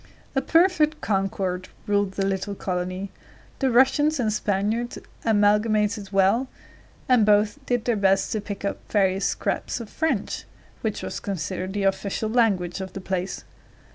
A perfect concord ruled the little colony. The Russians and Spaniards amalgamated well, and both did their best to pick up various scraps of French, which was considered the official language of the place.